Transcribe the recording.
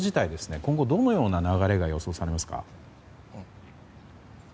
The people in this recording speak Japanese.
今後、どのような流れが予想されますか？